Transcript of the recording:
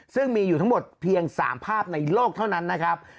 ซึ่งมีอยู่ทั้งหมดเพียง๓ภาพในโลกเท่านั้นนะครับ